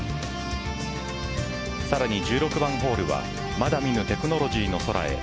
さらに１６番ホールは「まだ見ぬテクノロジーの空へ。」